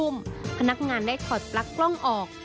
พนักงานได้ถอดปลั๊กกล้องออก